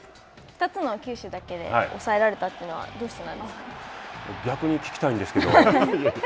２つの球種だけで抑えられたというのは、どうして逆に聞きたいんですけど。